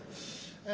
え